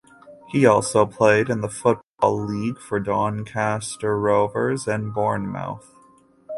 He also played in the Football League for Doncaster Rovers and Bournemouth.